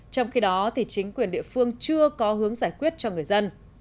trong khi đó chính quyền địa phương chưa có hướng giải quyết cho người dân